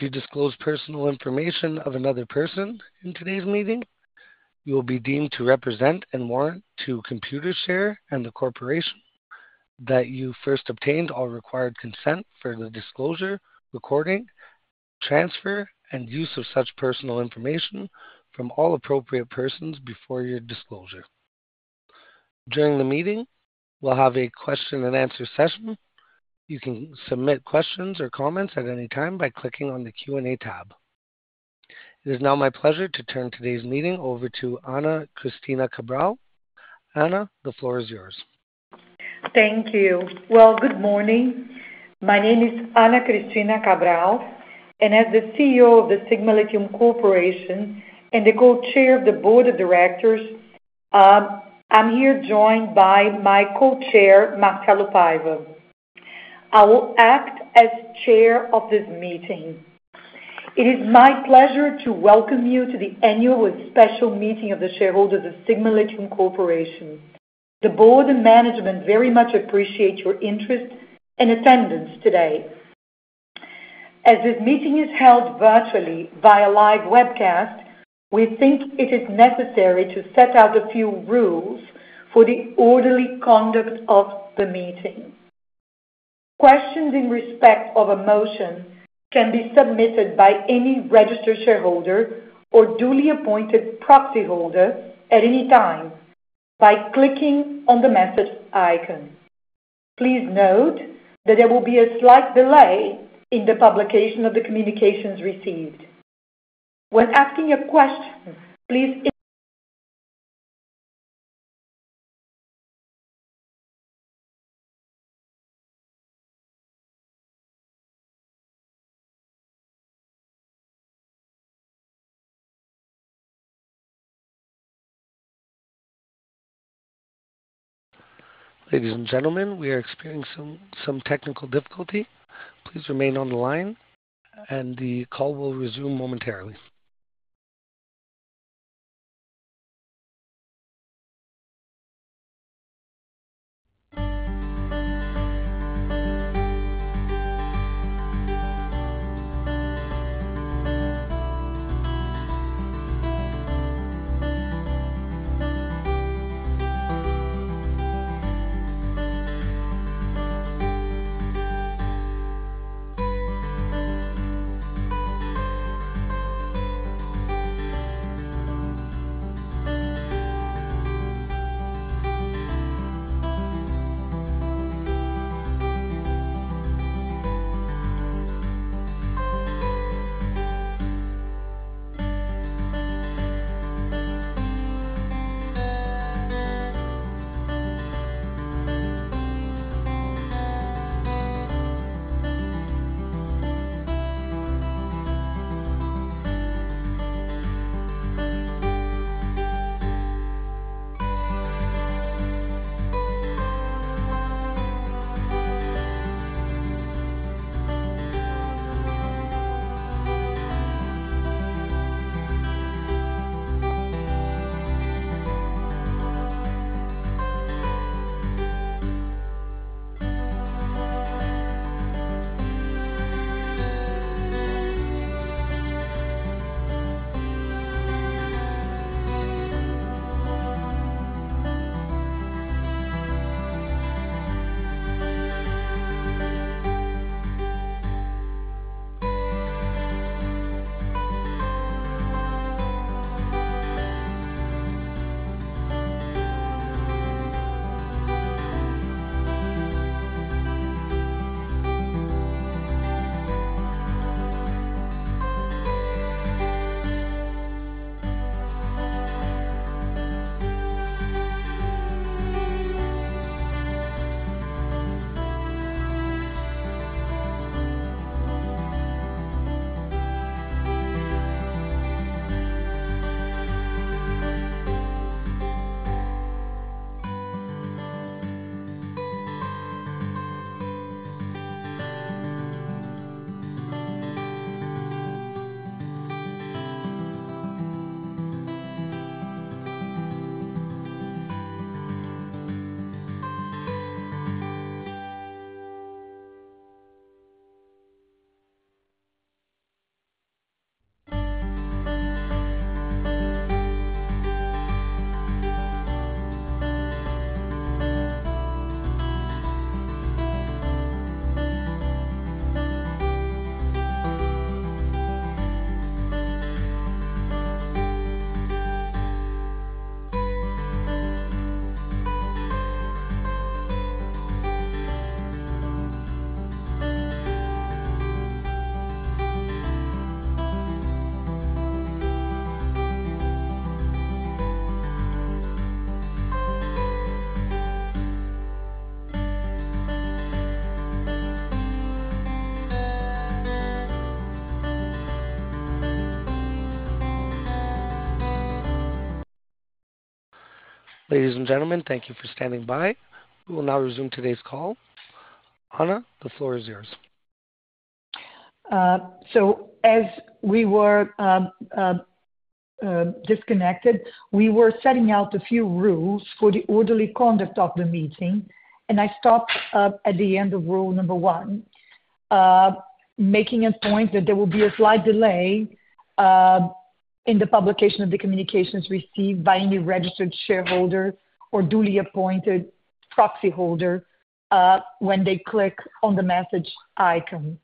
If you disclose personal information of another person in today's meeting, you will be deemed to represent and warrant to Computershare and the corporation that you first obtained all required consent for the disclosure, recording, transfer, and use of such personal information from all appropriate persons before your disclosure. During the meeting, we'll have a question and answer session. You can submit questions or comments at any time by clicking on the Q&A tab. It is now my pleasure to turn today's meeting over to Ana Cabral-Gardner. Ana, the floor is yours. Thank you. Well, good morning. My name is Ana Cabral-Gardner, and as the CEO of Sigma Lithium Corporation and the Co-Chair of the board of directors, I'm here joined by my Co-Chair, Marcelo Paiva. I will act as chair of this meeting. It is my pleasure to welcome you to the annual and special meeting of the shareholders of Sigma Lithium Corporation. The board and management very much appreciate your interest and attendance today. As this meeting is held virtually via live webcast, we think it is necessary to set out a few rules for the orderly conduct of the meeting. Questions in respect of a motion can be submitted by any registered shareholder or duly appointed proxyholder at any time by clicking on the message icon. Please note that there will be a slight delay in the publication of the communications received. When asking a question, please. Ladies and gentlemen, we are experiencing some technical difficulty. Please remain on the line and the call will resume momentarily. Ladies and gentlemen, thank you for standing by. We will now resume today's call. Ana, the floor is yours. So as we were disconnected, we were setting out a few rules for the orderly conduct of the meeting, and I stopped, at the end of rule number one, making a point that there will be a slight delay, in the publication of the communications received by any registered shareholder or duly appointed proxyholder, when they click on the message icon.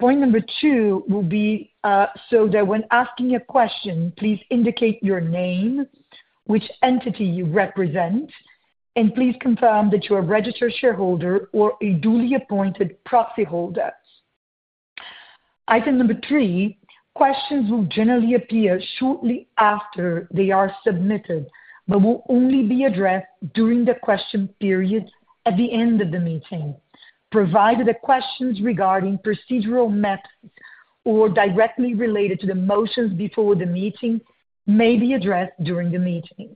Point number two will be, so that when asking a question, please indicate your name, which entity you represent, and please confirm that you're a registered shareholder or a duly appointed proxyholder. Item number three, questions will generally appear shortly after they are submitted, but will only be addressed during the question period at the end of the meeting, provided the questions regarding procedural methods or directly related to the motions before the meeting may be addressed during the meeting.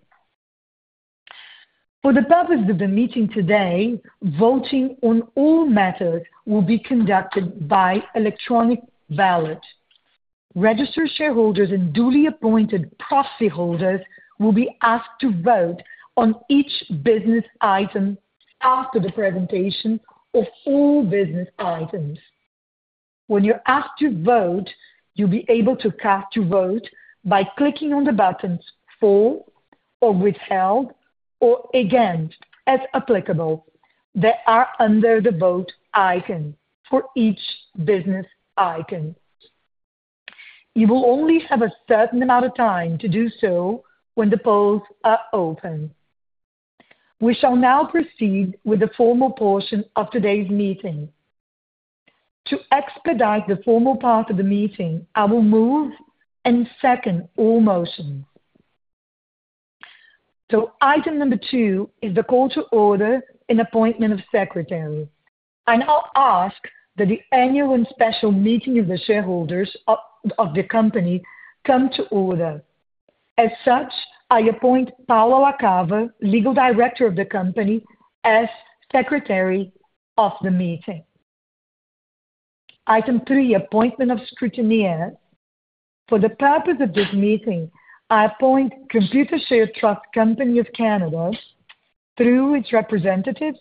For the purpose of the meeting today, voting on all matters will be conducted by electronic ballot. Registered shareholders and duly appointed proxyholders will be asked to vote on each business item after the presentation of all business items. When you're asked to vote, you'll be able to cast your vote by clicking on the buttons "For" or "Withheld," or "Against" as applicable, that are under the vote icon for each business icon. You will only have a certain amount of time to do so when the polls are open. We shall now proceed with the formal portion of today's meeting. To expedite the formal part of the meeting, I will move and second all motions. So item number two is the call to order and appointment of secretary. I now ask that the annual and special meeting of the shareholders of the company come to order. As such, I appoint Paula Wakawa, Legal Director of the company, as Secretary of the meeting. Item three, appointment of scrutineer. For the purpose of this meeting, I appoint Computershare Trust Company of Canada, through its representatives,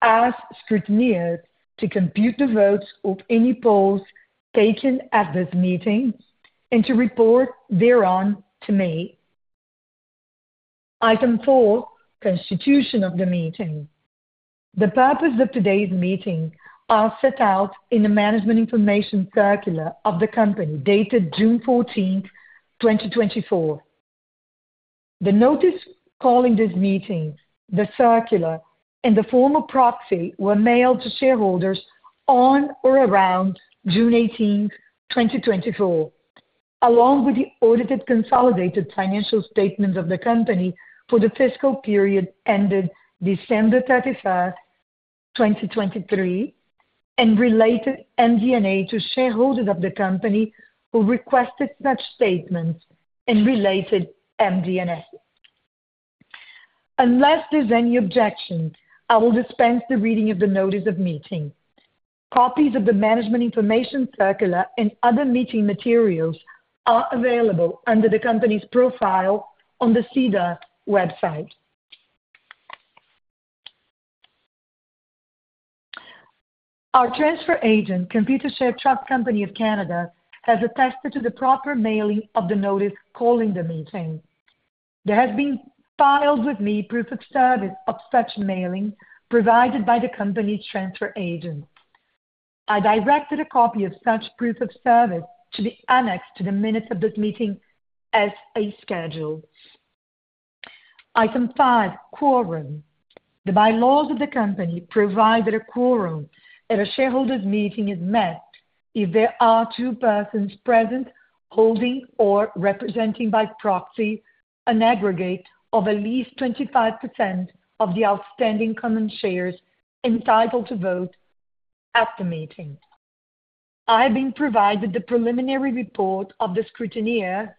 as scrutineers, to compute the votes of any polls taken at this meeting and to report thereon to me. Item four, constitution of the meeting. The purpose of today's meeting are set out in the Management Information Circular of the company, dated June 14, 2024. The notice calling this meeting, the circular, and the formal proxy were mailed to shareholders on or around June 18, 2024, along with the audited consolidated financial statements of the company for the fiscal period ended December 31, 2023, and related MD&A to shareholders of the company who requested such statements and related MD&As. Unless there's any objection, I will dispense the reading of the notice of meeting. Copies of the Management Information Circular and other meeting materials are available under the company's profile on the SEDAR website. Our transfer agent, Computershare Trust Company of Canada, has attested to the proper mailing of the notice calling the meeting. There has been filed with me proof of service of such mailing provided by the company transfer agent. I directed a copy of such proof of service to be annexed to the minutes of this meeting as a schedule. Item 5, quorum. The bylaws of the company provide that a quorum at a shareholders' meeting is met if there are two persons present, holding or representing by proxy, an aggregate of at least 25% of the outstanding common shares entitled to vote at the meeting. I've been provided the preliminary report of the scrutineer,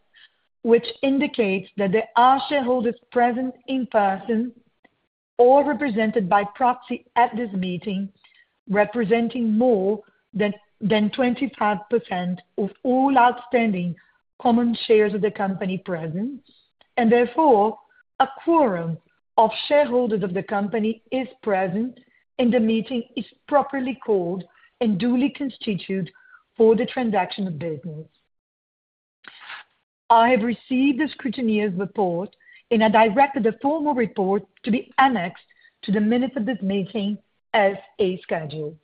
which indicates that there are shareholders present in person or represented by proxy at this meeting, representing more than 25% of all outstanding common shares of the company present, and therefore, a quorum of shareholders of the company is present, and the meeting is properly called and duly constituted for the transaction of business. I have received the scrutineer's report, and I directed the formal report to be annexed to the minutes of this meeting as a schedule.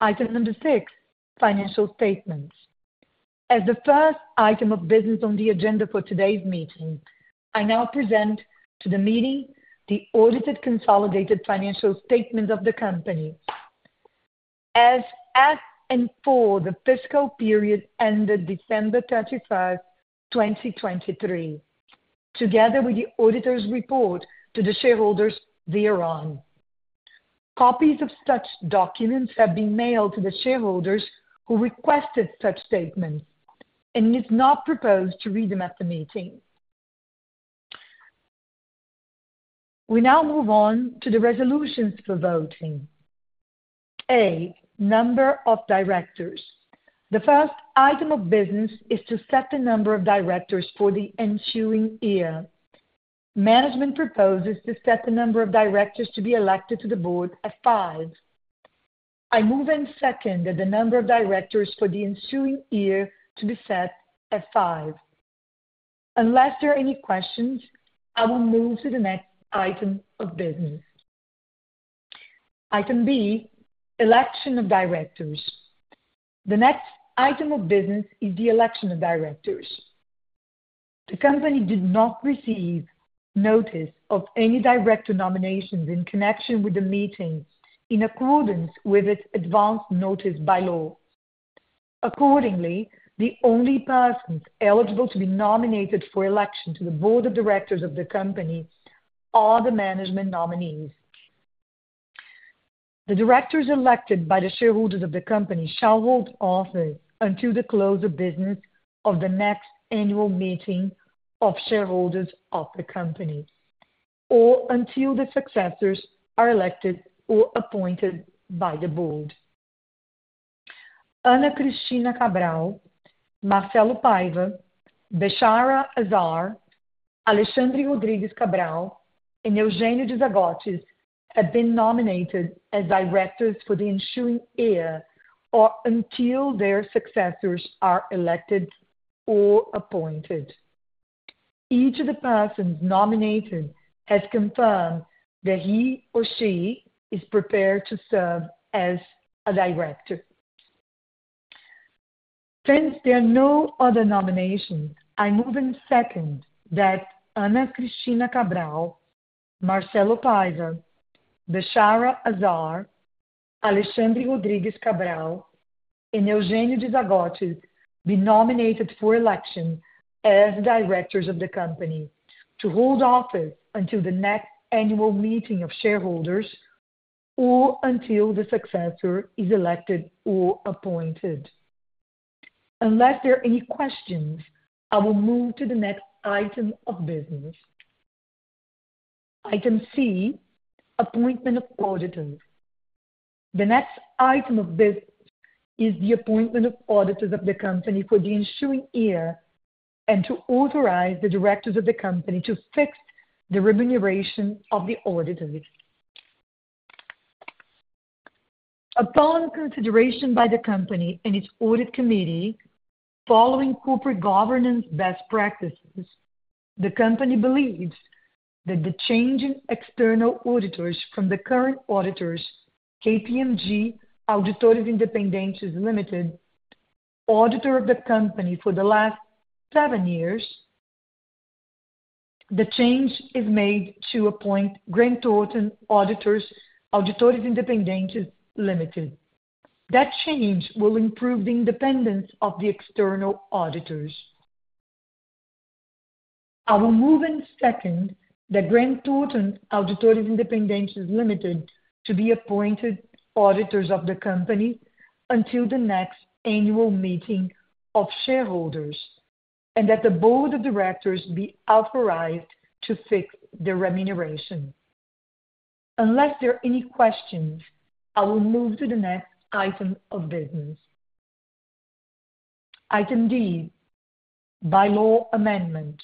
Item number six, financial statements. As the first item of business on the agenda for today's meeting, I now present to the meeting the audited consolidated financial statement of the company as and for the fiscal period ended December 31, 2023, together with the auditor's report to the shareholders thereon. Copies of such documents have been mailed to the shareholders who requested such statements, and it's not proposed to read them at the meeting. We now move on to the resolutions for voting. A, number of directors. The first item of business is to set the number of directors for the ensuing year. Management proposes to set the number of directors to be elected to the board at five. I move and second that the number of directors for the ensuing year to be set at five. Unless there are any questions, I will move to the next item of business. Item B, election of directors. The next item of business is the election of directors. The company did not receive notice of any director nominations in connection with the meeting in accordance with its Advance Notice By-Law. Accordingly, the only persons eligible to be nominated for election to the board of directors of the company are the management nominees. The directors elected by the shareholders of the company shall hold office until the close of business of the next annual meeting of shareholders of the company, or until the successors are elected or appointed by the board. Ana Cabral-Gardner, Marcelo Paiva, Bechara Azar, Alessandro Rodrigues Cabral, and Eugenio Zagottis have been nominated as directors for the ensuing year or until their successors are elected or appointed. Each of the persons nominated has confirmed that he or she is prepared to serve as a director. Since there are no other nominations, I move and second that Ana Cabral-Gardner, Marcelo Paiva, Bechara Azar, Alessandro Rodrigues Cabral, and Eugenio Zagottis be nominated for election as directors of the company to hold office until the next annual meeting of shareholders, or until the successor is elected or appointed. Unless there are any questions, I will move to the next item of business. Item C, appointment of auditors. The next item of business is the appointment of auditors of the company for the ensuing year, and to authorize the directors of the company to fix the remuneration of the auditors. Upon consideration by the company and its audit committee, following corporate governance best practices, the company believes that the changing external auditors from the current auditors, KPMG Auditores Independentes Ltda., auditor of the company for the last seven years, the change is made to appoint Grant Thornton Auditores Independentes Ltda. That change will improve the independence of the external auditors. I will move and second that Grant Thornton Auditores Independentes Ltda. to be appointed auditors of the company until the next annual meeting of shareholders, and that the board of directors be authorized to fix their remuneration. Unless there are any questions, I will move to the next item of business. Item D, by-law amendment.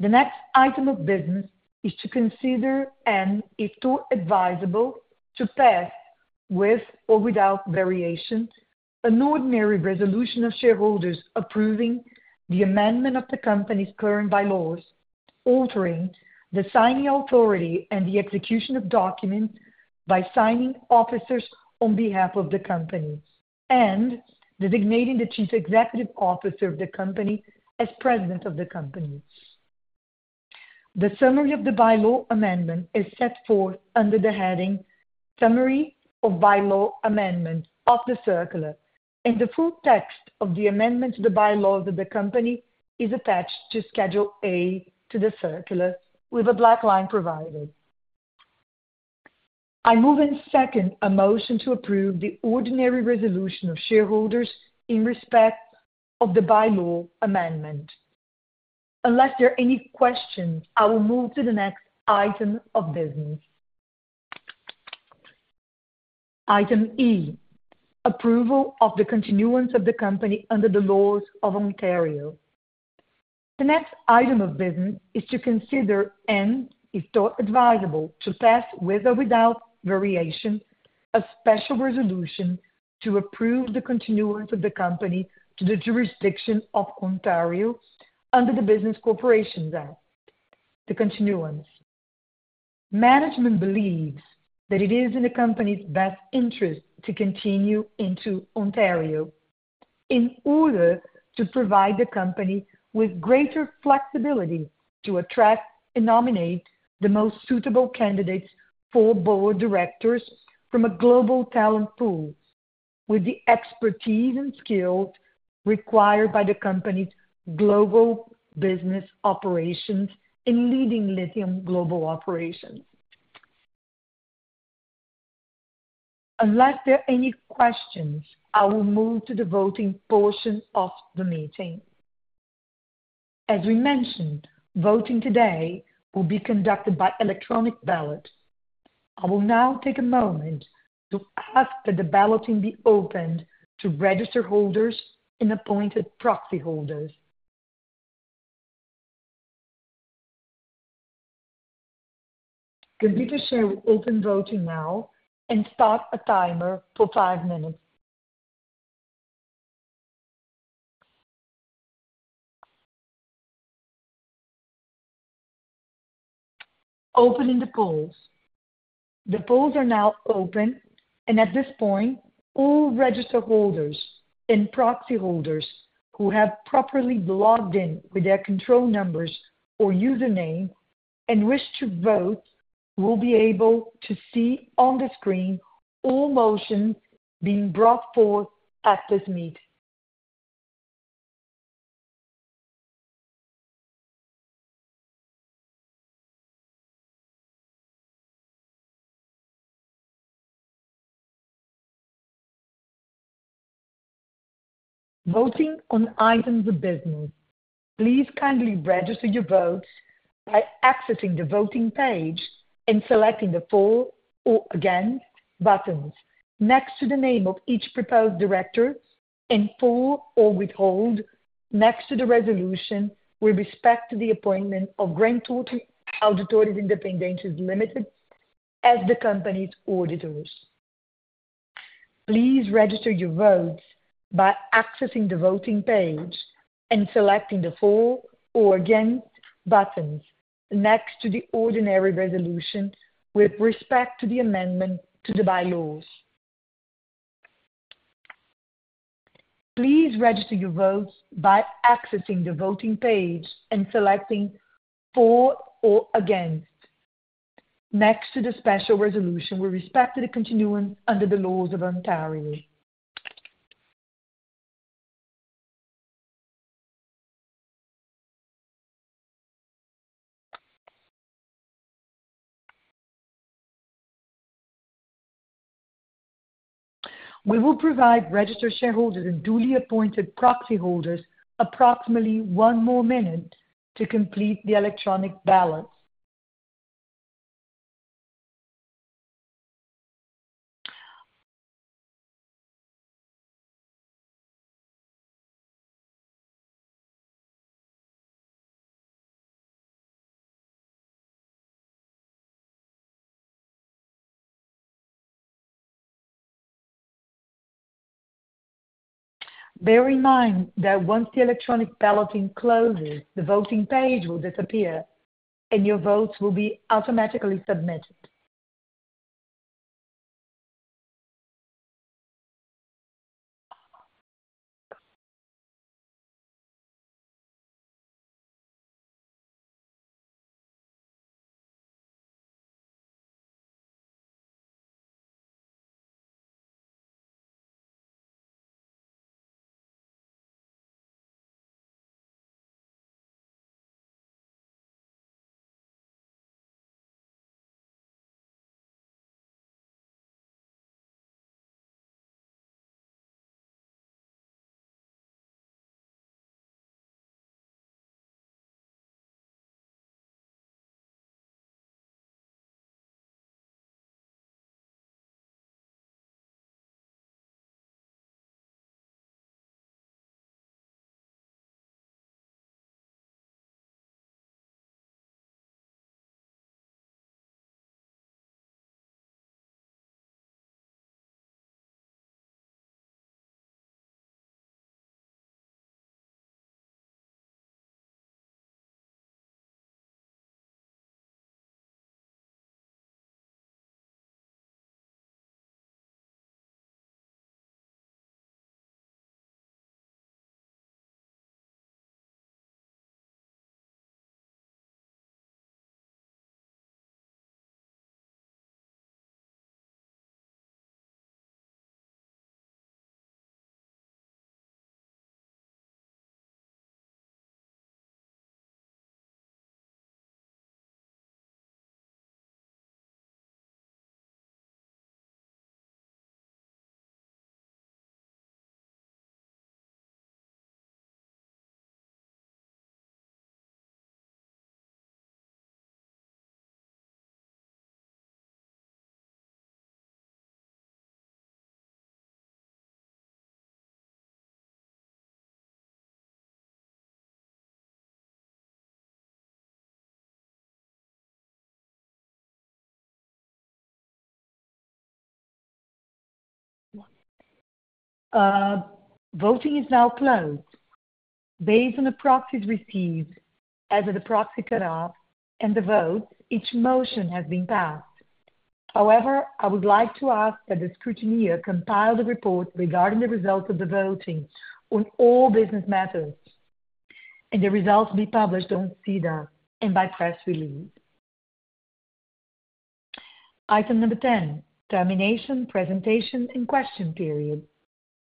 The next item of business is to consider and, if thought advisable, to pass, with or without variation, an ordinary resolution of shareholders approving the amendment of the company's current bylaws, altering the signing authority and the execution of documents by signing officers on behalf of the company, and designating the Chief Executive Officer of the company as President of the company. The summary of the by-law amendment is set forth under the heading Summary of By-Law Amendment of the circular, and the full text of the amendment to the by-law of the company is attached to Schedule A to the circular with a blackline provided. I move and second a motion to approve the ordinary resolution of shareholders in respect of the by-law amendment. Unless there are any questions, I will move to the next item of business. Item E, approval of the continuance of the company under the laws of Ontario. The next item of business is to consider and, if thought advisable, to pass, with or without variation, a special resolution to approve the continuance of the company to the jurisdiction of Ontario under the Business Corporations Act, the continuance. Management believes that it is in the company's best interest to continue into Ontario in order to provide the company with greater flexibility to attract and nominate the most suitable candidates for board of directors from a global talent pool, with the expertise and skill required by the company's global business operations in leading lithium global operations. Unless there are any questions, I will move to the voting portion of the meeting. As we mentioned, voting today will be conducted by electronic ballot. I will now take a moment to ask that the balloting be opened to registered holders and appointed proxy holders. Computershare will open voting now and start a timer for 5 minutes. Opening the polls. The polls are now open, and at this point, all registered holders and proxy holders who have properly logged in with their control numbers or username and wish to vote will be able to see on the screen all motions being brought forth at this meeting. Voting on items of business. Please kindly register your votes by accessing the voting page and selecting the for or against buttons next to the name of each proposed director, and for or withhold next to the resolution with respect to the appointment of Grant Thornton Auditores Independentes Ltda. as the company's auditors. Please register your votes by accessing the voting page and selecting the for or against buttons next to the ordinary resolution with respect to the amendment to the bylaws. Please register your votes by accessing the voting page and selecting for or against next to the special resolution with respect to the continuance under the laws of Ontario. We will provide registered shareholders and duly appointed proxy holders approximately one more minute to complete the electronic ballot. Bear in mind that once the electronic balloting closes, the voting page will disappear, and your votes will be automatically submitted.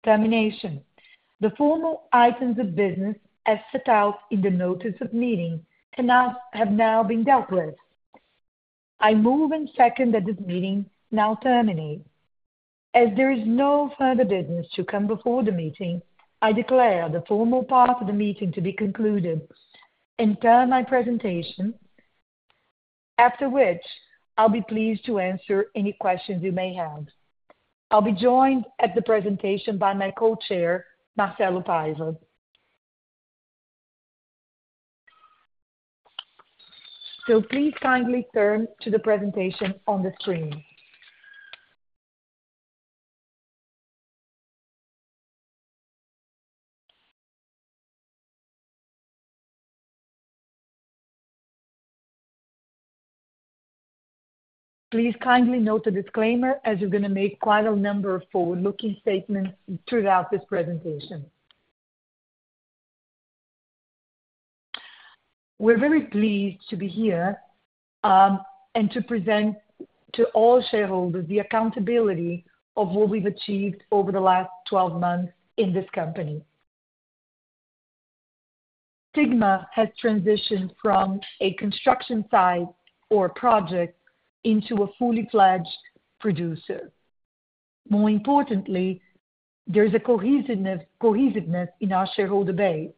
The formal items of business as set out in the notice of meeting have now been dealt with. I move and second that this meeting now terminate. As there is no further business to come before the meeting, I declare the formal part of the meeting to be concluded, and turn my presentation, after which I'll be pleased to answer any questions you may have. I'll be joined at the presentation by my co-chair, Marcelo Paiva. So please kindly turn to the presentation on the screen. Please kindly note the disclaimer, as we're gonna make quite a number of forward-looking statements throughout this presentation. We're very pleased to be here, and to present to all shareholders the accountability of what we've achieved over the last 12 months in this company. Sigma has transitioned from a construction site or project into a fully fledged producer. More importantly, there's a cohesiveness, cohesiveness in our shareholder base.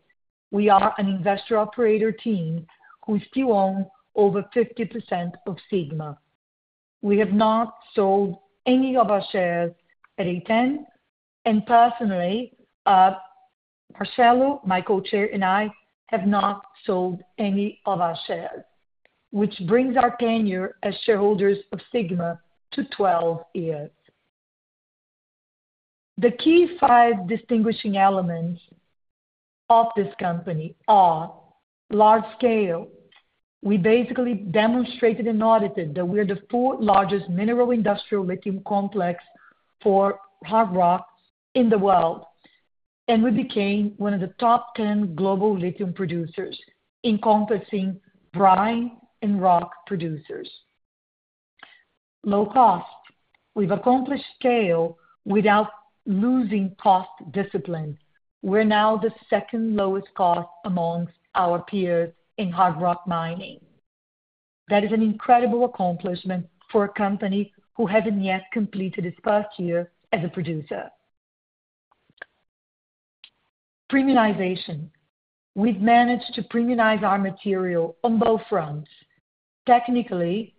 We are an investor operator team who still own over 50% of Sigma. We have not sold any of our shares at $10, and personally, Marcelo, my Co-Chair, and I have not sold any of our shares, which brings our tenure as shareholders of Sigma to 12 years. The key five distinguishing elements of this company are large scale. We basically demonstrated and audited that we're the fourth largest mineral industrial lithium complex for hard rock in the world, and we became one of the top 10 global lithium producers, encompassing brine and rock producers. Low cost. We've accomplished scale without losing cost discipline. We're now the second lowest cost amongst our peers in hard rock mining. That is an incredible accomplishment for a company who hasn't yet completed its first year as a producer. Premiumization. We've managed to premiumize our material on both fronts. Technically,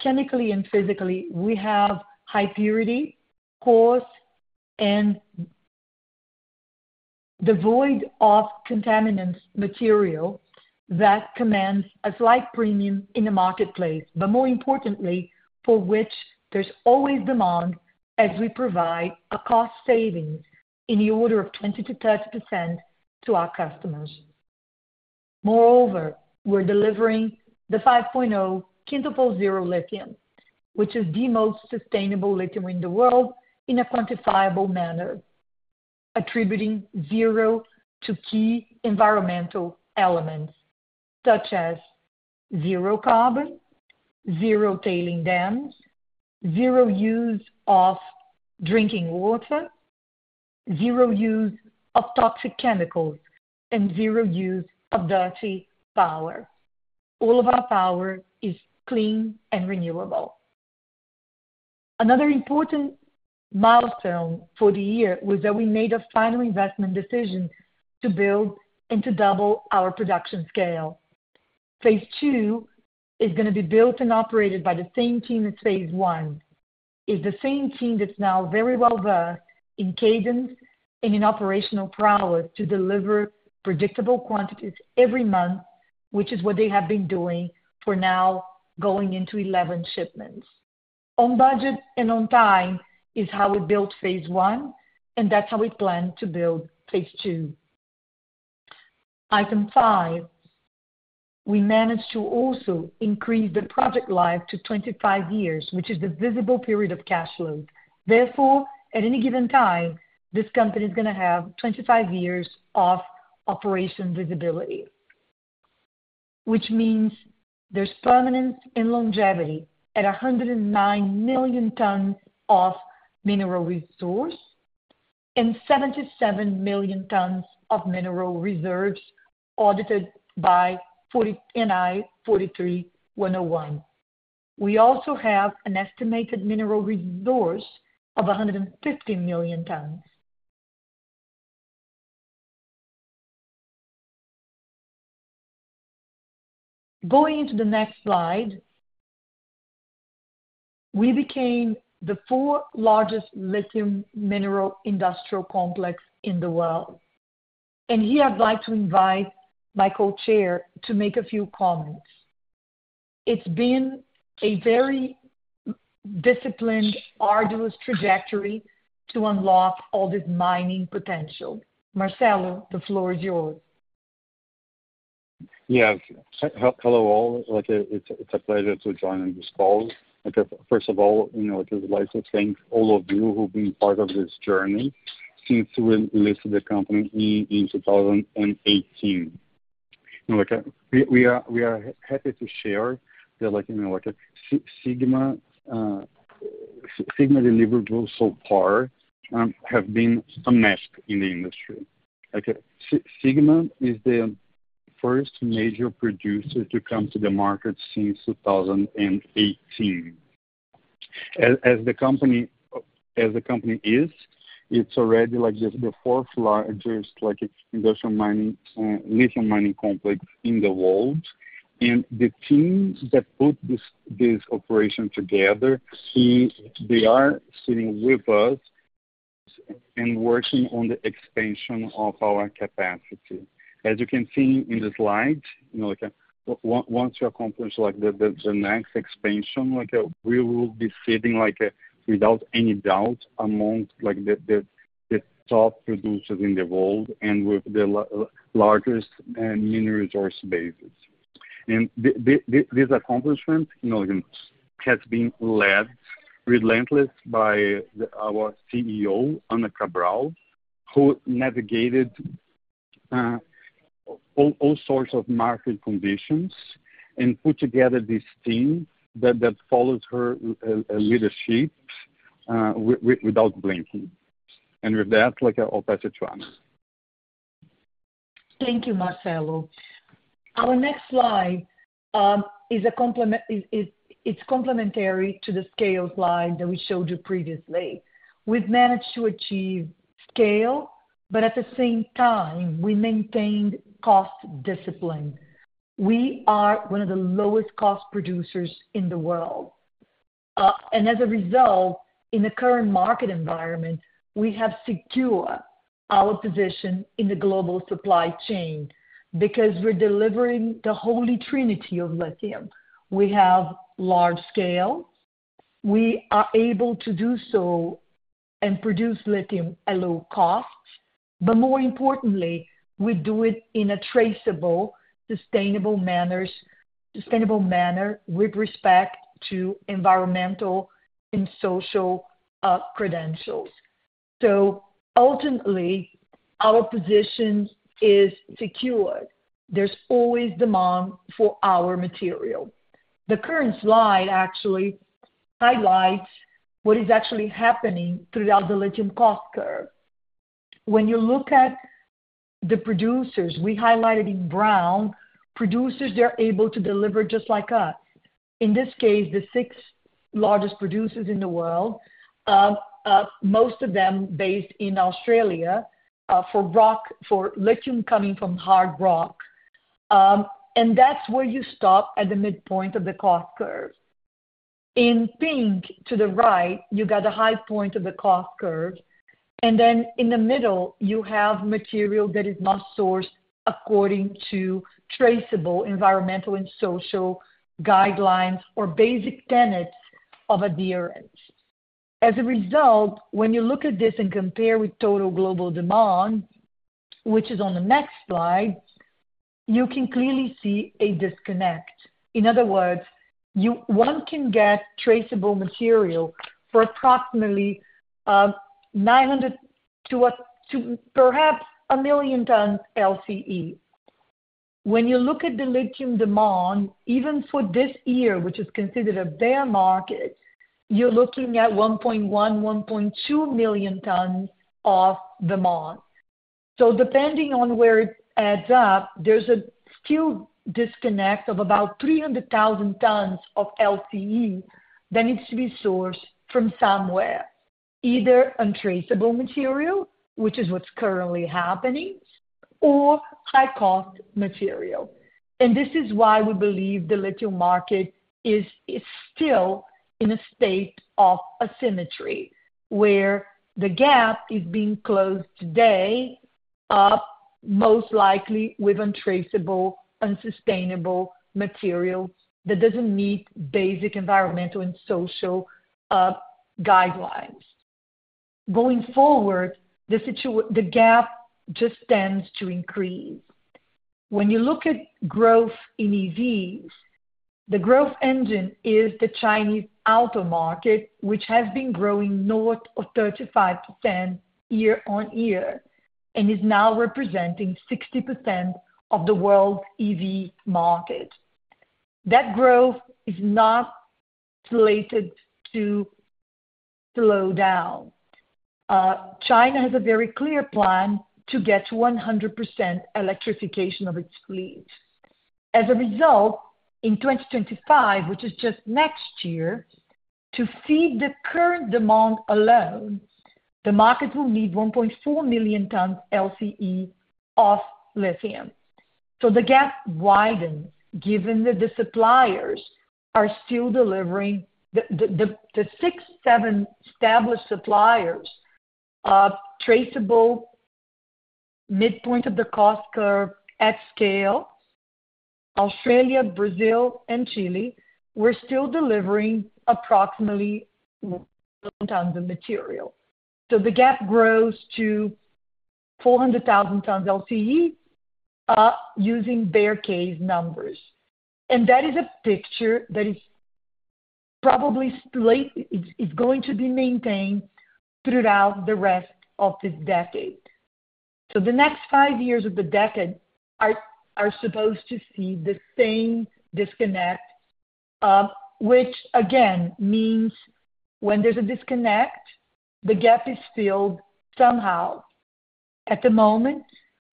chemically and physically, we have high purity coarse and devoid of contaminants material that commands a slight premium in the marketplace, but more importantly, for which there's always demand as we provide a cost savings in the order of 20%-30% to our customers. Moreover, we're delivering the 5.0 Quintuple Zero Lithium, which is the most sustainable lithium in the world, in a quantifiable manner, attributing zero to key environmental elements, such as zero carbon, zero tailings dams, zero use of drinking water, zero use of toxic chemicals, and zero use of dirty power. All of our power is clean and renewable. Another important milestone for the year was that we made a final investment decision to build and to double our production scale. Phase II is gonna be built and operated by the same team as phase I. It's the same team that's now very well versed in cadence and in operational prowess to deliver predictable quantities every month, which is what they have been doing for now, going into 11 shipments. On budget and on time is how we built phase I, and that's how we plan to build phase II. Item five, we managed to also increase the project life to 25 years, which is the visible period of cash flow. Therefore, at any given time, this company is gonna have 25 years of operation visibility, which means there's permanence and longevity at 109 million tons of mineral resource and 77 million tons of mineral reserves audited by NI 43-101. We also have an estimated mineral resource of 150 million tons. Going into the next slide, we became the fourth largest lithium mineral industrial complex in the world, and here I'd like to invite my co-chair to make a few comments. It's been a very disciplined, arduous trajectory to unlock all this mining potential. Marcelo, the floor is yours. Yeah. Hello, all. Like, it's a pleasure to join in this call. Like, first of all, you know, I would like to thank all of you who've been part of this journey since we listed the company in 2018. You know, like, we are happy to share that, like, you know, like, Sigma delivery growth so far have been unmatched in the industry. Okay. Sigma is the first major producer to come to the market since 2018. As the company is, it's already like just the fourth largest, like, industrial mining lithium mining complex in the world. And the team that put this operation together, they are sitting with us and working on the expansion of our capacity. As you can see in the slide, you know, like, once you accomplish, like, the next expansion, like, we will be sitting, like, without any doubt among, like, the top producers in the world and with the largest mineral resource bases. And this accomplishment, you know, has been led relentless by our CEO, Ana Cabral, who navigated all sorts of market conditions and put together this team that follows her leadership without blinking. And with that, like, I'll pass it to Ana. Thank you, Marcelo. Our next slide is complementary to the scale slide that we showed you previously. We've managed to achieve scale, but at the same time, we maintained cost discipline. We are one of the lowest cost producers in the world. And as a result, in the current market environment, we have secured our position in the global supply chain, because we're delivering the holy trinity of lithium. We have large scale, we are able to do so and produce lithium at low costs, but more importantly, we do it in a traceable, sustainable manner with respect to environmental and social credentials. So ultimately, our position is secure. There's always demand for our material. The current slide actually highlights what is actually happening throughout the lithium cost curve. When you look at the producers, we highlighted in brown, producers, they're able to deliver just like us. In this case, the six largest producers in the world, most of them based in Australia, for lithium coming from hard rock. That's where you stop at the midpoint of the cost curve. In pink, to the right, you got a high point of the cost curve, and then in the middle, you have material that is not sourced according to traceable environmental and social guidelines or basic tenets of adherence. As a result, when you look at this and compare with total global demand, which is on the next slide, you can clearly see a disconnect. In other words, one can get traceable material for approximately 900 to perhaps 1 million tons LCE. When you look at the lithium demand, even for this year, which is considered a bear market, you're looking at 1.1-1.2 million tons of demand. So depending on where it adds up, there's still a disconnect of about 300,000 tons of LCE that needs to be sourced from somewhere, either untraceable material, which is what's currently happening, or high-cost material. This is why we believe the lithium market is still in a state of asymmetry, where the gap is being closed today most likely with untraceable, unsustainable material that doesn't meet basic environmental and social guidelines. Going forward, the gap just tends to increase. When you look at growth in EVs, the growth engine is the Chinese auto market, which has been growing north of 35% year-on-year, and is now representing 60% of the world's EV market. That growth is not slated to slow down. China has a very clear plan to get to 100% electrification of its fleet. As a result, in 2025, which is just next year, to feed the current demand alone, the market will need 1.4 million tons LCE of lithium. So the gap widens, given that the suppliers are still delivering. The six, seven established suppliers of traceable midpoint of the cost curve at scale, Australia, Brazil, and Chile, we're still delivering approximately tons of material. So the gap grows to 400,000 tons LCE, using bear case numbers. And that is a picture that is probably late, it's going to be maintained throughout the rest of this decade. So the next five years of the decade are supposed to see the same disconnect, which again, means when there's a disconnect, the gap is filled somehow, at the moment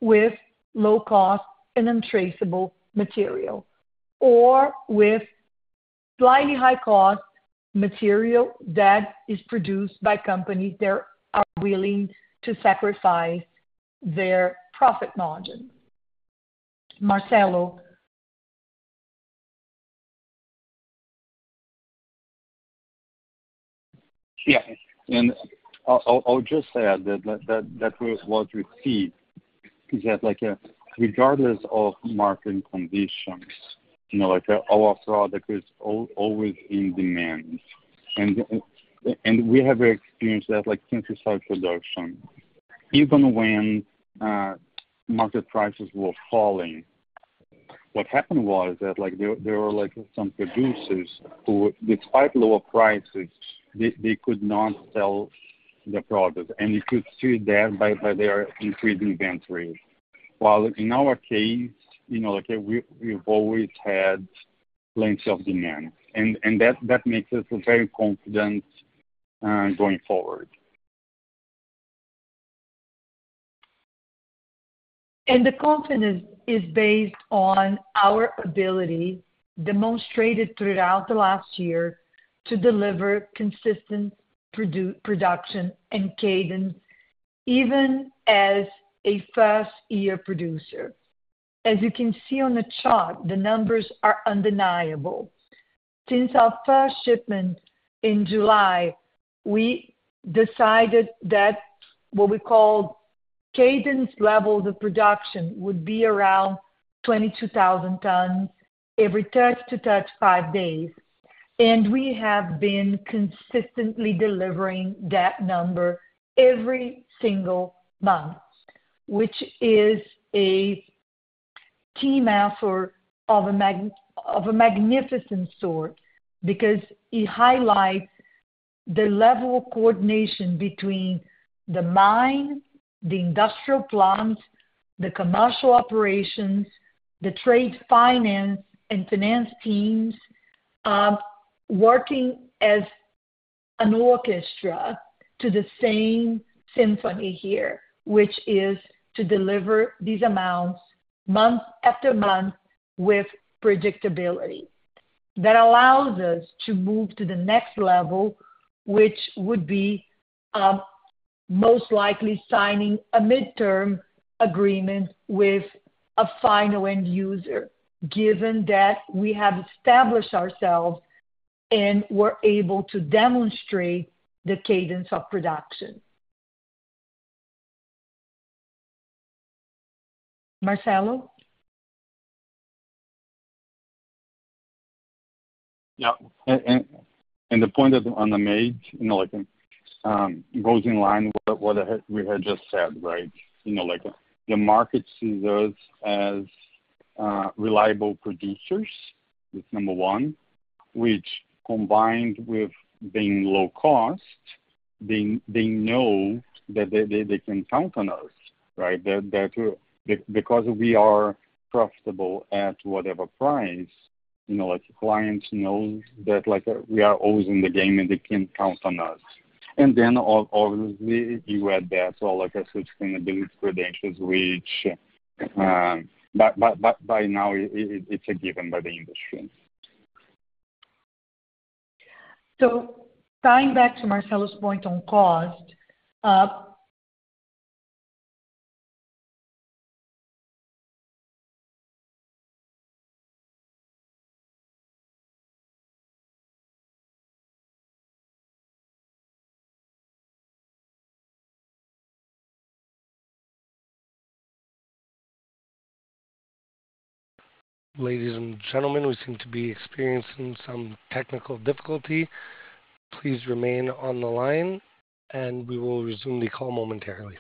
with low cost and untraceable material, or with slightly high cost material that is produced by companies that are willing to sacrifice their profit margin. Marcelo? Yeah, and I'll just add that that was what we see, is that regardless of market conditions, you know, like our product is always in demand. And we have experienced that, like, since we started production. Even when market prices were falling, what happened was that, like, there were, like, some producers who, despite lower prices, they could not sell the product, and you could see that by their increased inventory. While in our case, you know, like we, we've always had plenty of demand, and that makes us very confident going forward. The confidence is based on our ability, demonstrated throughout the last year, to deliver consistent production and cadence, even as a first-year producer. As you can see on the chart, the numbers are undeniable. Since our first shipment in July, we decided that what we call cadence level of the production would be around 22,000 tons every 30-35 days, and we have been consistently delivering that number every single month, which is a team effort of a magnificent sort, because it highlights the level of coordination between the mine, the industrial plants, the commercial operations, the trade finance, and finance teams. working as an orchestra to the same symphony here, which is to deliver these amounts month after month with predictability. That allows us to move to the next level, which would be, most likely signing a midterm agreement with a final end user, given that we have established ourselves and we're able to demonstrate the cadence of production. Marcelo? Yeah. And the point that Ana made, you know, like, goes in line with what we had just said, right? You know, like, the market sees us as reliable producers, that's number one, which combined with being low cost, they know that they can count on us, right? That because we are profitable at whatever price, you know, like clients know that, like, we are always in the game, and they can count on us. And then obviously, you add that, so like I said, sustainability credentials, which by now, it's a given by the industry. So tying back to Marcelo's point on cost, We seem to be experiencing some technical difficulty. Please remain on the line, and we will resume the call momentarily.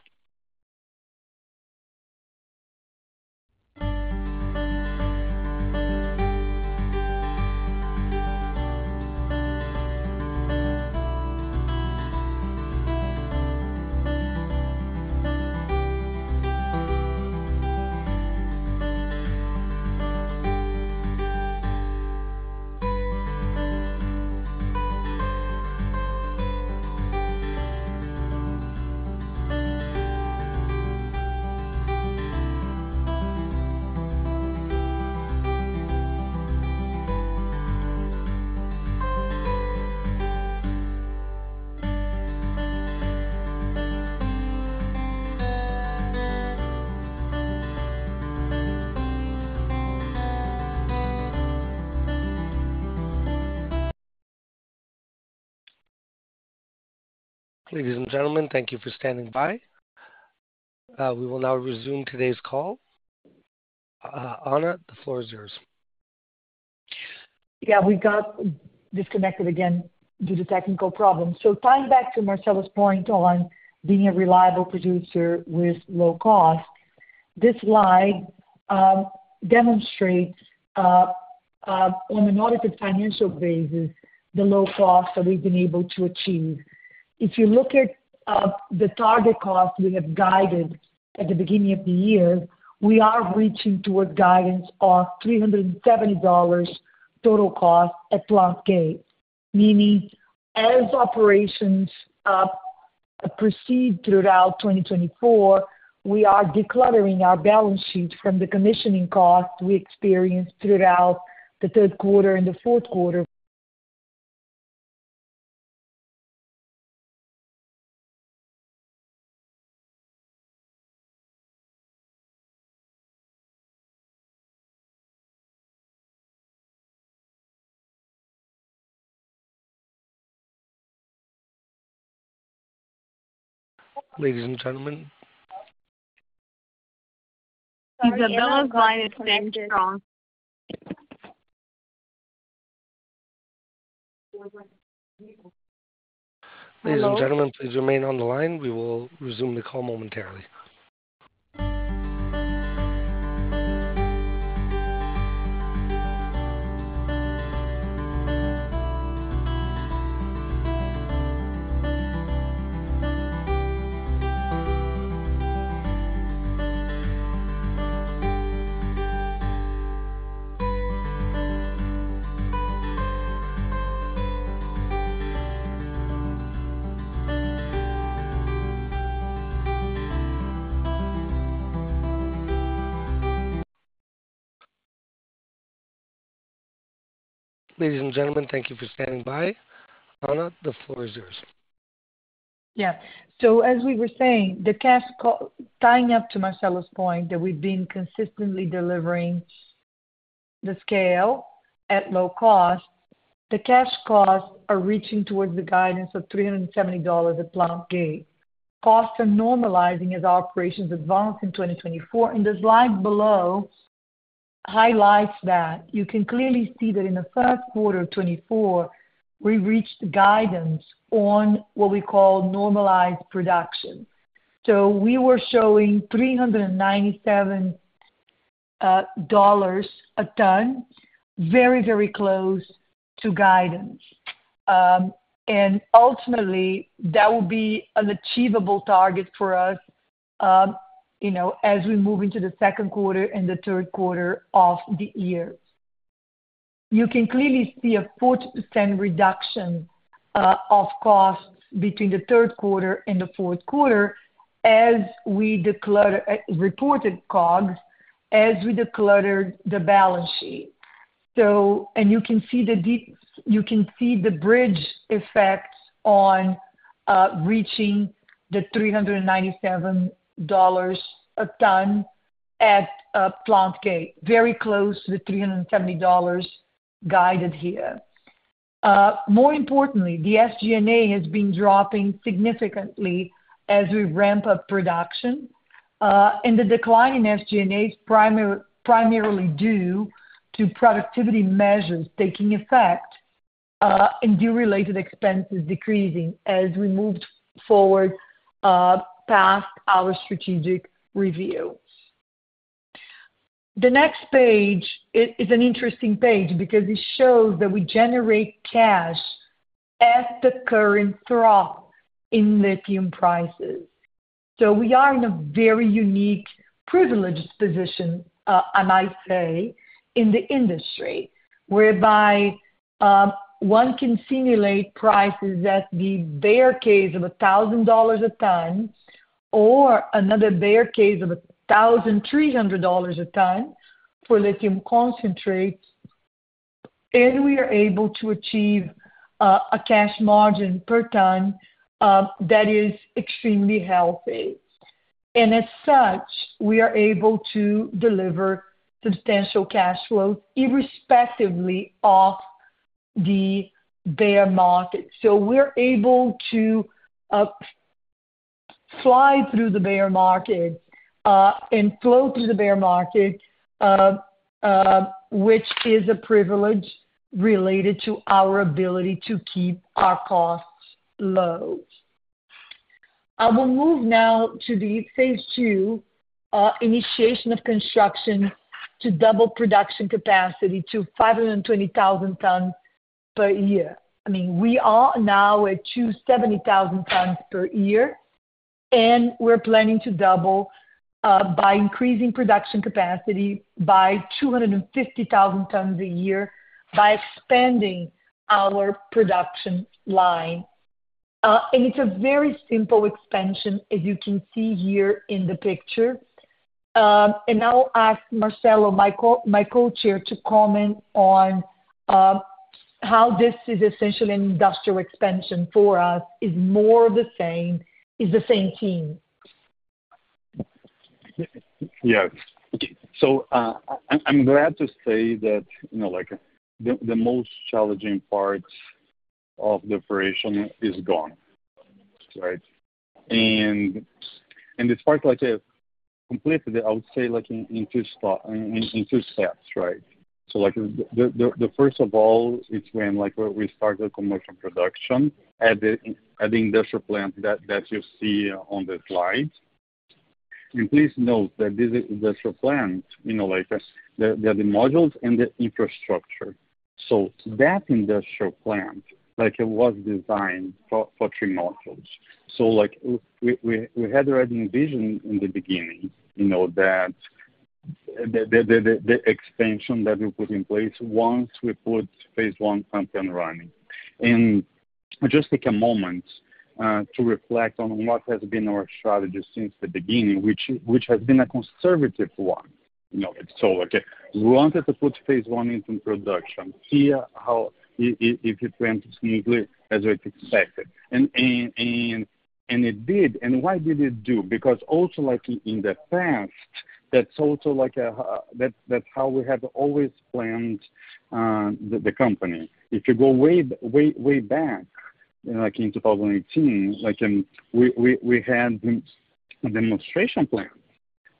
Ladies and gentlemen, thank you for standing by. We will now resume today's call. Ana, the floor is yours. Yeah, we got disconnected again due to technical problems. So tying back to Marcelo's point on being a reliable producer with low cost. This slide demonstrates on an audited financial basis, the low cost that we've been able to achieve. If you look at the target cost we have guided at the beginning of the year, we are reaching toward guidance of $370 total cost at plant gate. Meaning, as operations proceed throughout 2024, we are decluttering our balance sheet from the commissioning costs we experienced throughout the third quarter and the fourth quarter. Ladies and gentlemen. Isabella's line has been drawn. Ladies and gentlemen, please remain on the line. We will resume the call momentarily. Ladies and gentlemen, thank you for standing by. Ana, the floor is yours. Yeah. So as we were saying, the cash cost tying up to Marcelo's point, that we've been consistently delivering the scale at low cost, the cash costs are reaching towards the guidance of $370 a plant gate. Costs are normalizing as operations advance in 2024, and the slide below highlights that. You can clearly see that in the first quarter of 2024, we reached guidance on what we call normalized production. So we were showing $397 a ton, very, very close to guidance. And ultimately, that will be an achievable target for us, you know, as we move into the second quarter and the third quarter of the year. You can clearly see a 40% reduction of costs between the third quarter and the fourth quarter as we declutter reported COGS, as we decluttered the balance sheet. And you can see the bridge effects on reaching the $397 a ton at plant gate, very close to the $370 guided here. More importantly, the SG&A has been dropping significantly as we ramp up production, and the decline in SG&A is primarily due to productivity measures taking effect, and due related expenses decreasing as we moved forward past our strategic review. The next page is an interesting page because it shows that we generate cash at the current trough in lithium prices. So we are in a very unique, privileged position, I might say, in the industry, whereby one can simulate prices at the bear case of $1,000 per ton or another bear case of $1,300 per ton for lithium concentrates, and we are able to achieve a cash margin per ton that is extremely healthy. As such, we are able to deliver substantial cash flow irrespectively of the bear market. We're able to slide through the bear market and flow through the bear market, which is a privilege related to our ability to keep our costs low. I will move now to the Phase II initiation of construction to double production capacity to 520,000 tons per year. I mean, we are now at 270,000 tons per year, and we're planning to double by increasing production capacity by 250,000 tons a year, by expanding our production line. It's a very simple expansion, as you can see here in the picture. I'll ask Marcelo, my co-chair, to comment on how this is essentially an industrial expansion for us, is more of the same, is the same team. Yeah. So, I'm glad to say that, you know, like, the most challenging parts of the operation is gone, right? And this part, like I said, completely, I would say, like, in two steps, right? So like, the first of all, it's when, like, when we start the commercial production at the industrial plant that you see on the slide. And please note that this industrial plant, you know, like, the modules and the infrastructure. So that industrial plant, like it was designed for three modules. So like, we had already envisioned in the beginning, you know, that the expansion that we put in place once we put phase I up and running. Just take a moment to reflect on what has been our strategy since the beginning, which has been a conservative one. You know, so, okay, we wanted to put phase I into production, see how if it went smoothly as we expected. And it did. And why did it do? Because also like in the past, that's also like, that's how we have always planned the company. If you go way, way, way back, like in 2018, like, we had the demonstration plant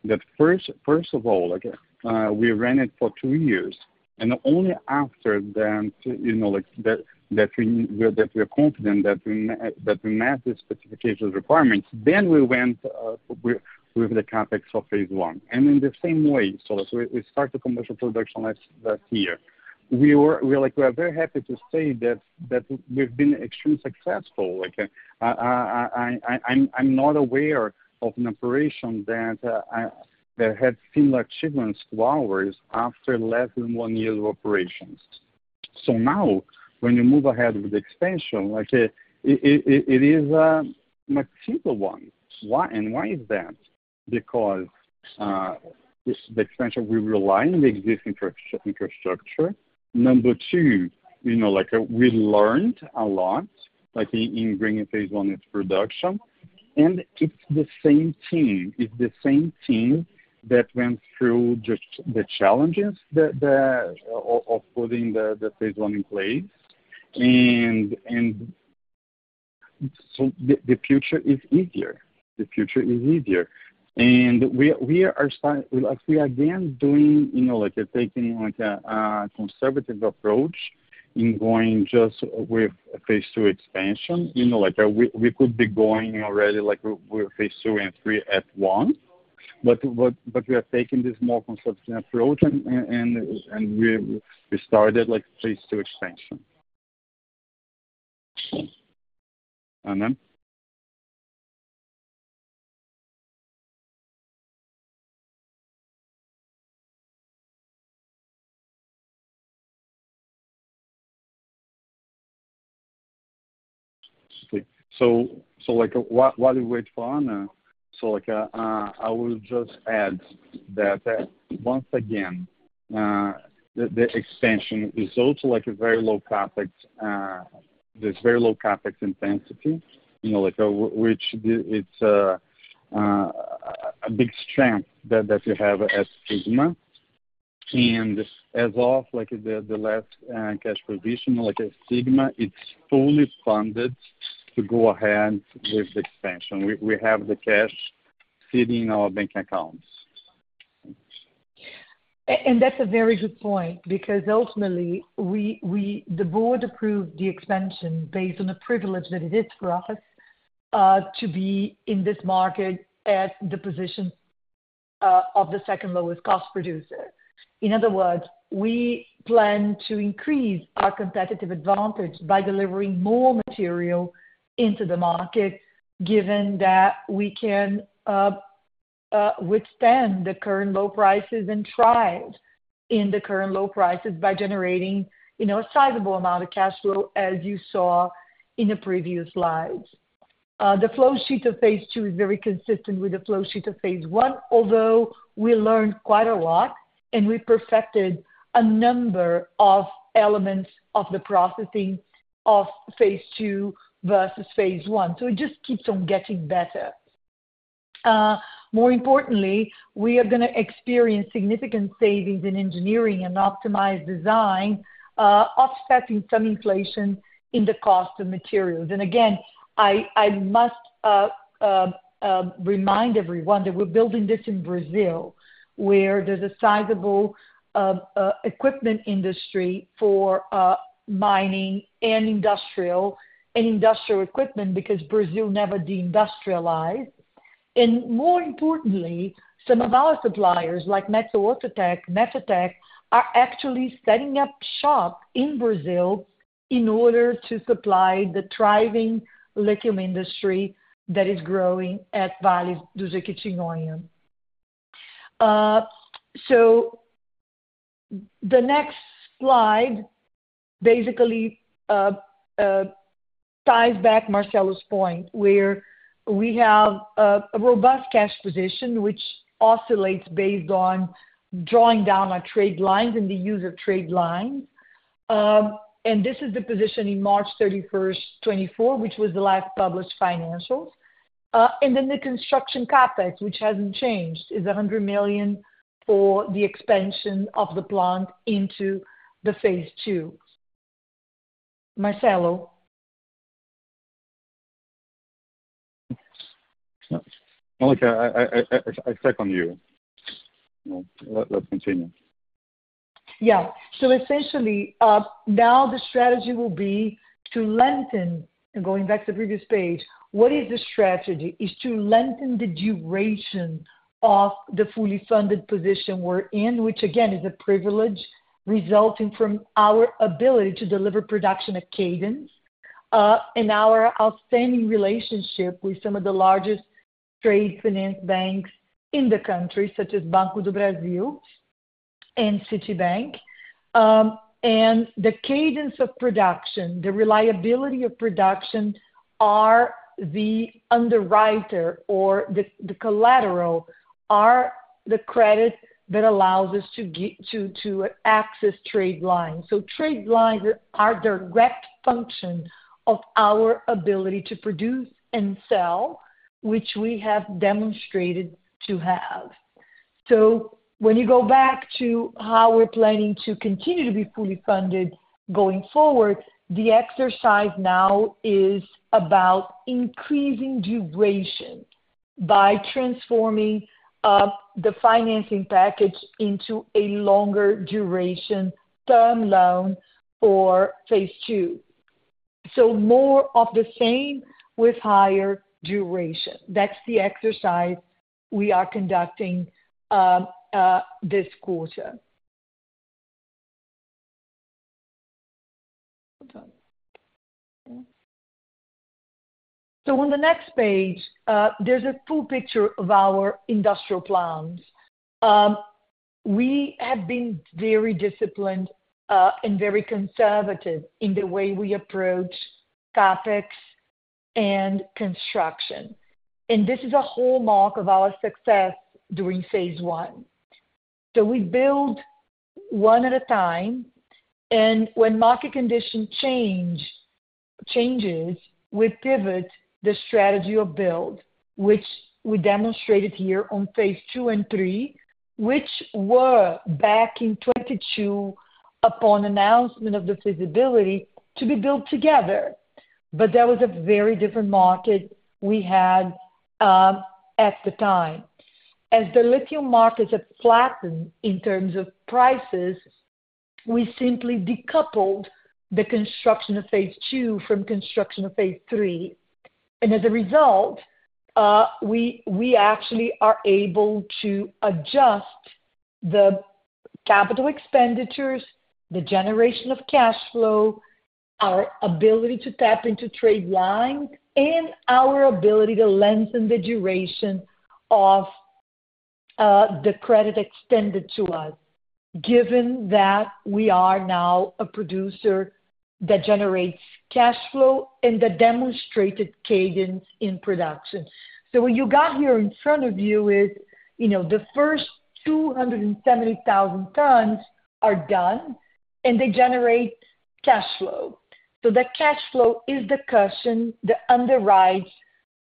that first of all, like, we ran it for two years, and only after then to, you know, like, that we are confident that we met the specification requirements, then we went with the CapEx of phase I. In the same way, so as we start the commercial production last year. We're like, we are very happy to say that we've been extremely successful. Like, I'm not aware of an operation that had similar achievements to ours after less than one year of operations. So now, when you move ahead with the expansion, like, it is a much simpler one. Why is that? Because the expansion, we rely on the existing infrastructure. Number two, you know, like, we learned a lot, like, in bringing phase I into production, and it's the same team. It's the same team that went through just the challenges of putting the phase I in place. And so the future is easier. The future is easier. We are starting like we are again doing, you know, like taking like a conservative approach in going just with a phase II expansion. You know, like, we could be going already like we're phase II and three at once, but we are taking this more conservative approach, and we started phase II expansion. Ana? So, like, while you wait for Ana, so like, I will just add that once again, the expansion is also like a very low CapEx. There's very low CapEx intensity, you know, like, which it's a big strength that you have at Sigma. As of like the last cash position like at Sigma, it's fully funded to go ahead with the expansion. We have the cash sitting in our bank accounts. That's a very good point, because ultimately, the board approved the expansion based on the privilege that it is for us to be in this market at the position of the second lowest cost producer. In other words, we plan to increase our competitive advantage by delivering more material into the market, given that we can withstand the current low prices and thrive in the current low prices by generating, you know, a sizable amount of cash flow, as you saw in the previous slides. The flow sheet of phase II is very consistent with the flow sheet of phase I, although we learned quite a lot, and we perfected a number of elements of the processing of phase II versus phase I. So it just keeps on getting better. More importantly, we are gonna experience significant savings in engineering and optimized design, offsetting some inflation in the cost of materials. And again, I must remind everyone that we're building this in Brazil, where there's a sizable equipment industry for mining and industrial equipment, because Brazil never deindustrialized. And more importantly, some of our suppliers, like Metso Outotec, Matec, are actually setting up shop in Brazil in order to supply the thriving lithium industry that is growing at Vale do Jequitinhonha. So the next slide basically ties back Marcelo's point, where we have a robust cash position, which oscillates based on drawing down our trade lines and the use of trade lines. And this is the position in March 31, 2024, which was the last published financials. And then the construction CapEx, which hasn't changed, is $100 million for the expansion of the plant into Phase II. Marcelo? Cabral, I check on you. Well, let's continue. Yeah. So essentially, now the strategy will be to lengthen. And going back to the previous page, what is the strategy? Is to lengthen the duration of the fully funded position we're in, which again, is a privilege resulting from our ability to deliver production at cadence, and our outstanding relationship with some of the largest trade finance banks in the country, such as Banco do Brasil and Citibank. And the cadence of production, the reliability of production, are the underwriter or the, the collateral, are the credit that allows us to get to, to access trade lines. So trade lines are direct function of our ability to produce and sell, which we have demonstrated to have. So when you go back to how we're planning to continue to be fully funded going forward, the exercise now is about increasing duration by transforming the financing package into a longer duration term loan for phase II. So more of the same with higher duration. That's the exercise we are conducting this quarter. So on the next page, there's a full picture of our industrial plans. We have been very disciplined and very conservative in the way we approach CapEx and construction. And this is a hallmark of our success during phase II. So we build one at a time, and when market condition changes, we pivot the strategy of build, which we demonstrated here on phase II and III, which were back in 2022 upon announcement of the feasibility to be built together. But that was a very different market we had at the time. As the lithium markets have flattened in terms of prices, we simply decoupled the construction of phase II from construction of phase III. And as a result, we actually are able to adjust the CapEx, the generation of cash flow, our ability to tap into trade lines, and our ability to lengthen the duration of the credit extended to us, given that we are now a producer that generates cash flow and the demonstrated cadence in production. So what you got here in front of you is, you know, the first 270,000 tons are done, and they generate cash flow. So that cash flow is the cushion that underwrites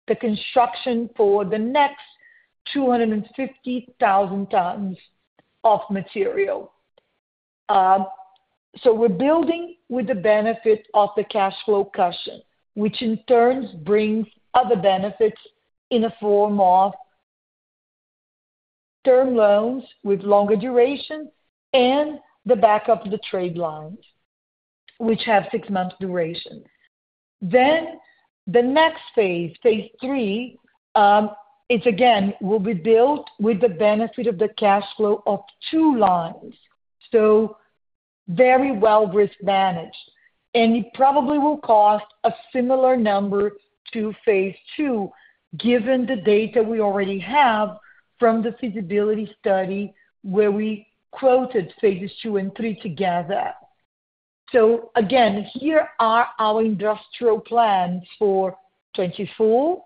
the construction for the next 250,000 tons of material. So we're building with the benefit of the cash flow cushion, which in turn brings other benefits in the form of term loans with longer duration and the back of the trade lines, which have six months duration. Then the next phase, phase III, it again, will be built with the benefit of the cash flow of two lines, so very well risk managed. And it probably will cost a similar number to phase II, given the data we already have from the feasibility study, where we quoted phases II and three together. So again, here are our industrial plans for 2024,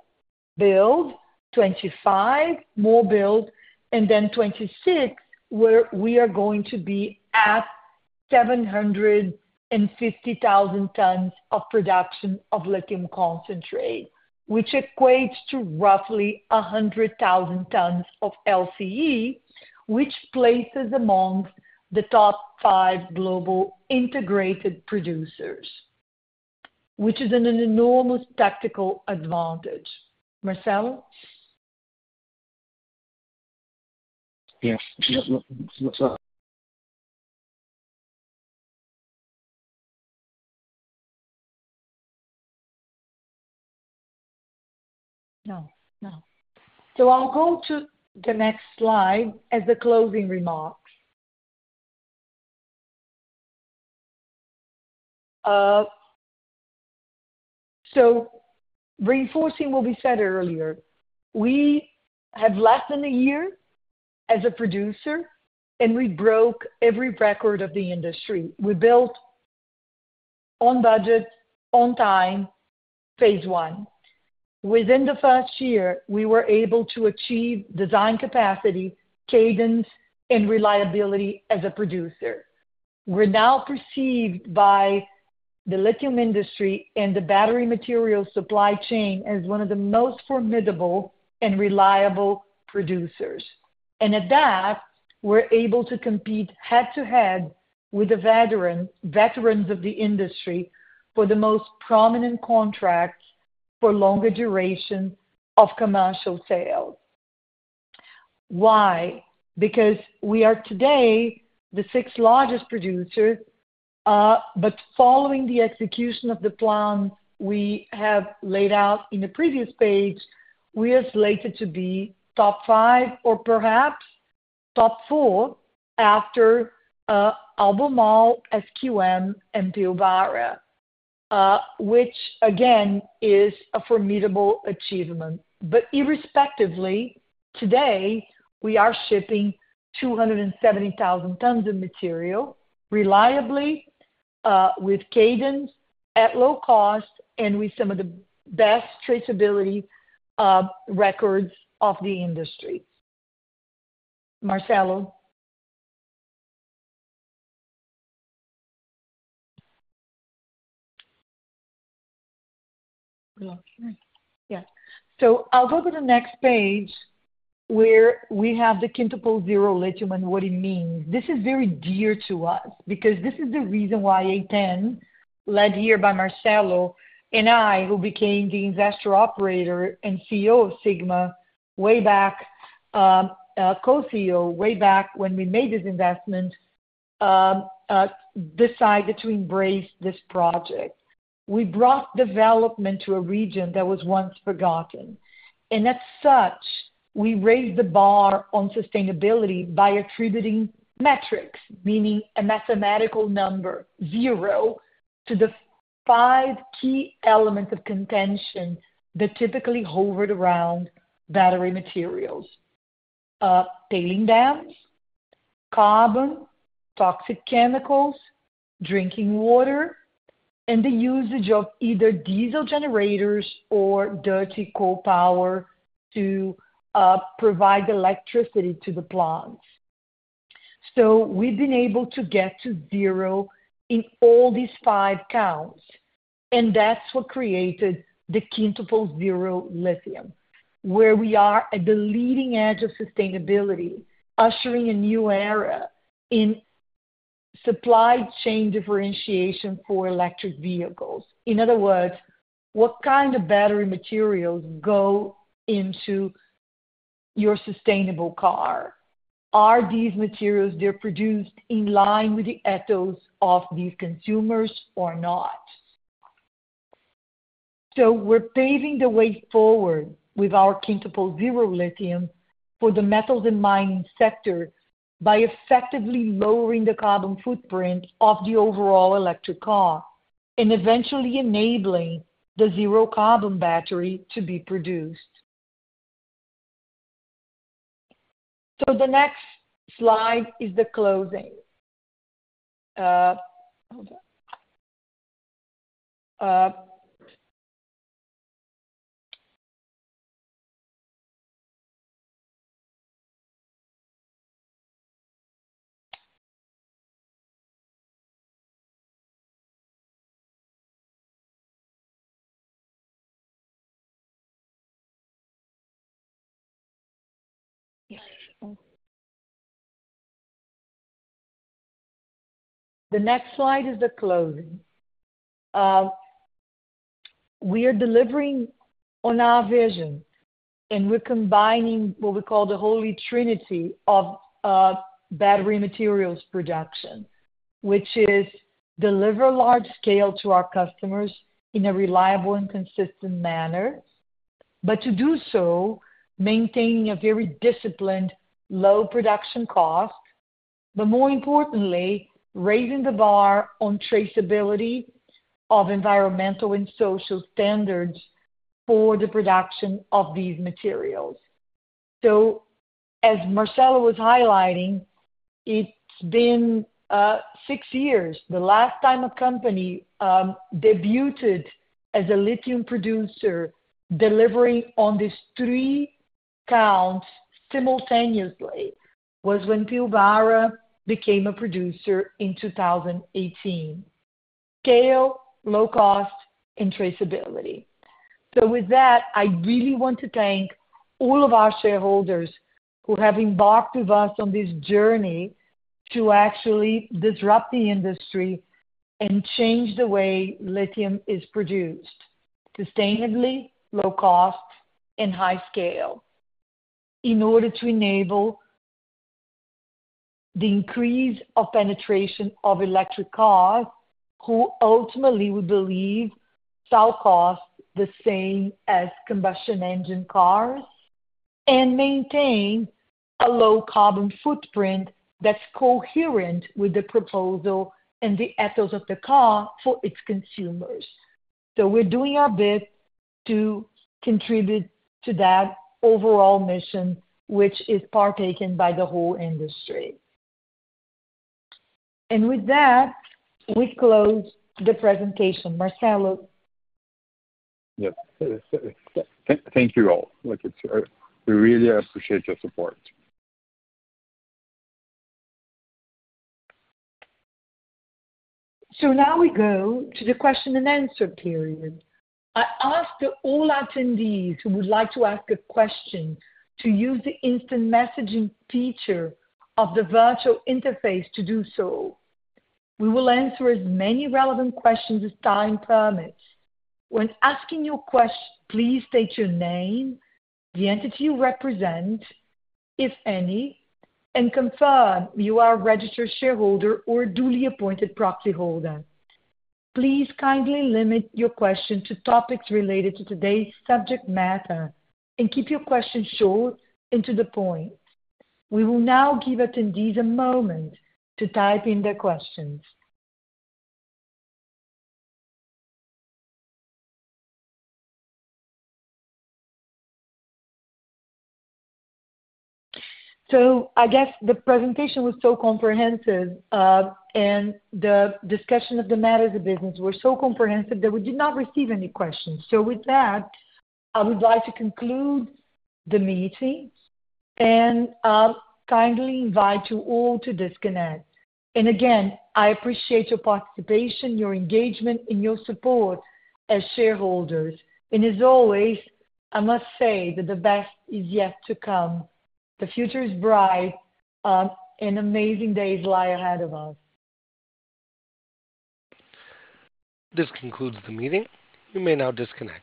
build, 2025, more build, and then 2026, where we are going to be at 750,000 tons of production of lithium concentrate. Which equates to roughly 100,000 tons of LCE, which places amongst the top five global integrated producers, which is an enormous tactical advantage. Marcelo? Yeah. No, no. So I'll go to the next slide as the closing remarks. So reinforcing what we said earlier, we have less than a year as a producer, and we broke every record of the industry. We built on budget, on time, Phase I. Within the first year, we were able to achieve design capacity, cadence, and reliability as a producer. We're now perceived by the lithium industry and the battery material supply chain as one of the most formidable and reliable producers. And at that, we're able to compete head-to-head with the veterans of the industry for the most prominent contracts for longer duration of commercial sales. Why? Because we are today the sixth largest producer, but following the execution of the plan we have laid out in the previous page, we are slated to be top five or perhaps top four after, Albemarle, SQM, and Pilbara, which again, is a formidable achievement. But irrespectively, today, we are shipping 270,000 tons of material reliably, with cadence, at low cost, and with some of the best traceability records of the industry. Marcelo? Yeah. So I'll go to the next page, where we have the Quintuple Zero Lithium, what it means. This is very dear to us because this is the reason why A10, led here by Marcelo and I, who became the investor operator and CEO of Sigma way back, co-CEO, way back when we made this investment, decided to embrace this project. We brought development to a region that was once forgotten, and as such, we raised the bar on sustainability by attributing metrics, meaning a mathematical number, zero, to the five key elements of contention that typically hovered around battery materials: tailing dams, carbon, toxic chemicals, drinking water, and the usage of either diesel generators or dirty coal power to provide electricity to the plants. So we've been able to get to zero in all these five counts, and that's what created the Quintuple Zero Lithium, where we are at the leading edge of sustainability, ushering a new era in supply chain differentiation for electric vehicles. In other words, what kind of battery materials go into your sustainable car? Are these materials, they're produced in line with the ethos of these consumers or not? So we're paving the way forward with our Quintuple Zero Lithium for the metals and mining sector by effectively lowering the carbon footprint of the overall electric car, and eventually enabling the zero carbon battery to be produced. So the next slide is the closing. We are delivering on our vision, and we're combining what we call the holy trinity of battery materials production, which is deliver large scale to our customers in a reliable and consistent manner. But to do so, maintaining a very disciplined, low production cost, but more importantly, raising the bar on traceability of environmental and social standards for the production of these materials. So, as Marcelo was highlighting, it's been six years. The last time a company debuted as a lithium producer, delivering on these three counts simultaneously, was when Pilbara became a producer in 2018. Scale, low cost, and traceability. So with that, I really want to thank all of our shareholders who have embarked with us on this journey to actually disrupt the industry and change the way lithium is produced. Sustainably, low cost, and high scale, in order to enable the increase of penetration of electric cars, who ultimately we believe shall cost the same as combustion engine cars, and maintain a low carbon footprint that's coherent with the proposal and the ethos of the car for its consumers. So we're doing our bit to contribute to that overall mission, which is partaken by the whole industry. And with that, we close the presentation. Marcelo? Yes. Thank you all. Look, it's, we really appreciate your support. So now we go to the question and answer period. I ask that all attendees who would like to ask a question, to use the instant messaging feature of the virtual interface to do so. We will answer as many relevant questions as time permits. When asking your question, please state your name, the entity you represent, if any, and confirm you are a registered shareholder or duly appointed proxyholder. Please kindly limit your question to topics related to today's subject matter, and keep your questions short and to the point. We will now give attendees a moment to type in their questions. So I guess the presentation was so comprehensive, and the discussion of the matters of the business were so comprehensive that we did not receive any questions. So with that, I would like to conclude the meeting, and kindly invite you all to disconnect. Again, I appreciate your participation, your engagement, and your support as shareholders. As always, I must say that the best is yet to come. The future is bright, and amazing days lie ahead of us. This concludes the meeting. You may now disconnect.